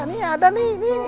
nih ada nih